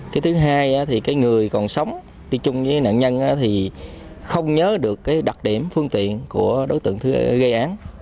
cái thứ hai thì cái người còn sống đi chung với nạn nhân thì không nhớ được cái đặc điểm phương tiện của đối tượng gây án